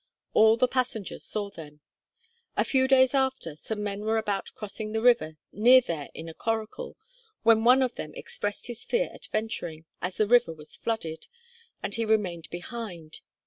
All the passengers saw them. A few days after, some men were about crossing the river near there in a coracle, when one of them expressed his fear at venturing, as the river was flooded, and he remained behind.